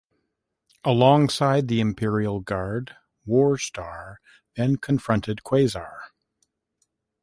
Alongside the Imperial Guard, Warstar then confronted Quasar.